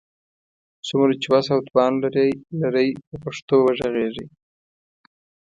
څومره چي وس او توان لرئ، په پښتو وږغېږئ!